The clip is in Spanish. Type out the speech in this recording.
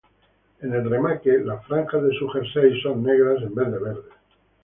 En el remake, las franjas de su Jersey son negras en vez de verdes.